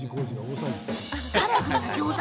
カラフルなギョーザ